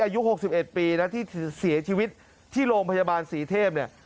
อายุ๖๑ปีนะที่เสียชีวิตที่โรงพยาบาลศรีเทพเนี่ย